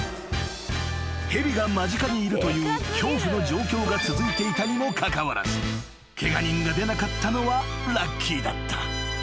［蛇が間近にいるという恐怖の状況が続いていたにもかかわらずケガ人が出なかったのはラッキーだった］